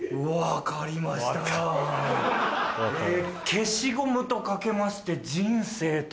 消しゴムと掛けまして人生と解く。